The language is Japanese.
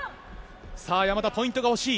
山田、ポイントが欲しい。